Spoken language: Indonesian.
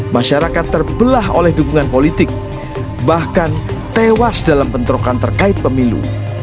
masyarakat terbelah oleh dukungan politik bahkan tewas dalam bentrokan terkait pemilu